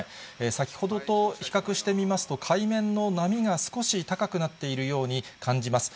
先ほどと比較してみますと、海面の波が少し高くなっているように感じます。